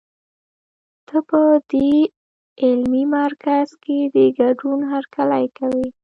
ته په دې علمي مرکز کې د ګډون هرکلی کوي.